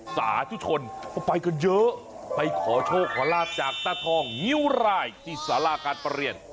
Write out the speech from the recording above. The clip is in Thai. สาธุชนก็ไปกันเยอะไปขอโชคขอลาบจากตาทองงิ้วรายที่สาราการประเรียน